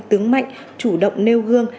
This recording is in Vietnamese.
tướng mạnh chủ động nêu gương